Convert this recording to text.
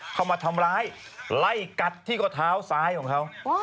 เข้ามาทำร้ายไล่กัดที่ก็เท้าซ้ายของเขา